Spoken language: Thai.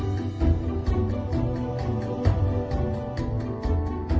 แล้วก็ธุรกิจด้วงอย่างงี้นะคะ